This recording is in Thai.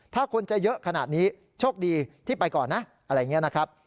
ถ้าคนจะเยอะขนาดนี้โชคดีที่ไปก่อนนะอะไรอย่างนี้นะครับ